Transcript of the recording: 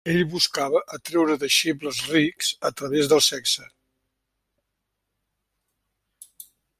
Ell buscava atreure deixebles rics a través de sexe.